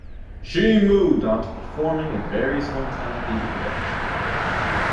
She moved on to performing in various hometown theater productions.